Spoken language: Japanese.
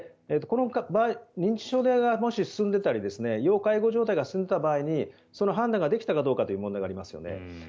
認知症がもし進んでいたら要介護状態が進んでいた場合にその判断ができたかどうかということがありますよね。